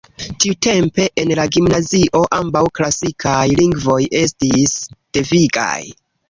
Tiutempe en la gimnazio ambaŭ klasikaj lingvoj estis devigaj.